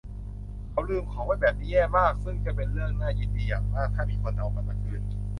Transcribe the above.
เขาลืมของไว้แบบแย่มากซึ่งจะเป็นเรื่องน่ายินดีอย่างมากถ้ามีคนเอามันมาคืน